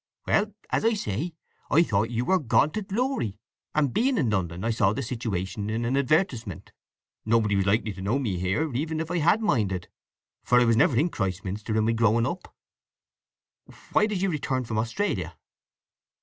"Well, as I say, I thought you were gone to glory, and being in London I saw the situation in an advertisement. Nobody was likely to know me here, even if I had minded, for I was never in Christminster in my growing up." "Why did you return from Australia?"